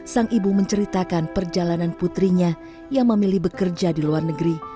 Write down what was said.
sang ibu menceritakan perjalanan putrinya yang memilih bekerja di luar negeri